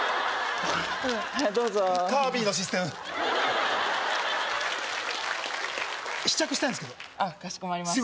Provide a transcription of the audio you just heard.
はいどうぞカービィのシステム試着したいんですけどかしこまりました